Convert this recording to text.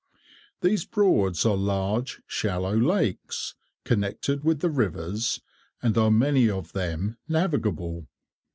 These Broads are large shallow lakes, connected with the rivers, and are many of them navigable.